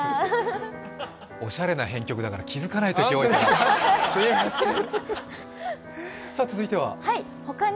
おしゃれな編曲だから、気付かないとき多いから。